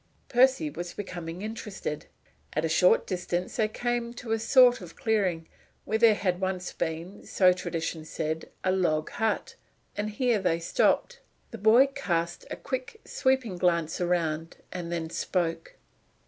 Percy was becoming interested. At a short distance they came to a sort of clearing, where there had once been, so tradition said, a log hut; and here they stopped. The boy cast a quick, sweeping glance around, and then spoke.